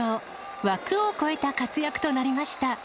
枠を超えた活躍となりました。